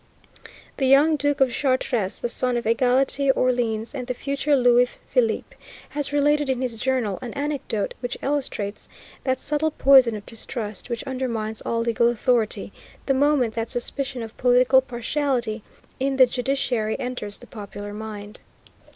The young Duke of Chartres, the son of Égalité Orleans, and the future Louis Philippe, has related in his journal an anecdote which illustrates that subtle poison of distrust which undermines all legal authority, the moment that suspicion of political partiality in the judiciary enters the popular mind.